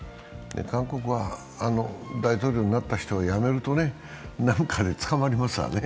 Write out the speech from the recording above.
韓国は大統領がなった人は辞めると何かで捕まりますよね。